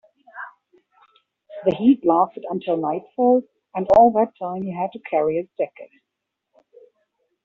The heat lasted until nightfall, and all that time he had to carry his jacket.